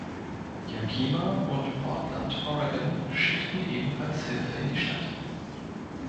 Yakima und Portland, Oregon, schickten ebenfalls Hilfe in die Stadt.